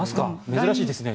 珍しいですね。